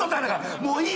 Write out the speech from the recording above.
もういい。